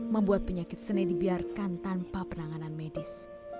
membuat penyakit sene dibiarkan tanpa penanganan medis